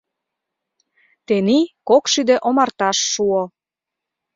Тений кок шӱдӧ омарташ шуо.